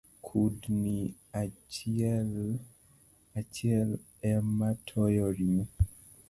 Kudni achielematowo ringo